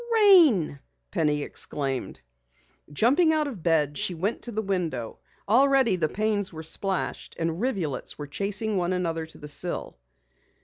"Rain!" Penny exclaimed. Jumping out of bed, she went to the window. Already the panes were splashed and rivulets were chasing one another to the sill.